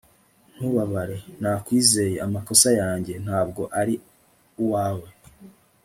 ntubabare. nakwizeye, amakosa yanjye. ntabwo ari uwawe